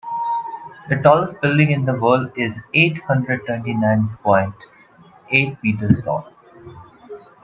The tallest building in the world is eight hundred twenty nine point eight meters tall.